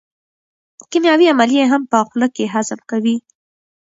کیمیاوي عملیې هم په خوله کې هضم کوي.